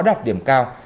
khó đạt điểm cao